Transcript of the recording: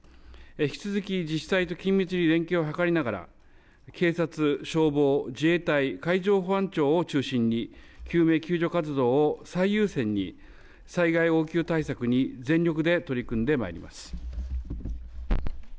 引き続き自治体と緊密に連携を図りながら警察、消防、自衛隊、海上保安庁を中心に救命救助活動を最優先に災害応急対策に全力で取り組んでまいります。